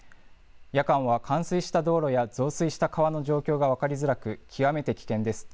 夜間は冠水した道路や増水した川の状況が変わりづらく、極めて危険です。